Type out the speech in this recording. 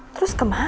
terus kemana dia